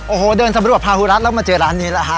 โอ้โหเดินสำรวจภาหุรัฐแล้วมาเจอร้านนี้แล้วฮะ